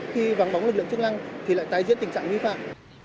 khi vắng bóng lực lượng chức lăng thì lại tái diễn tình trạng vi phạm